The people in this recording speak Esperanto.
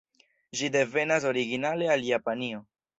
Ĝi devenas originale el Japanio.